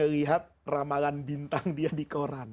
lihat ramalan bintang dia di koran